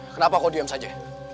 kenapa kau diem saja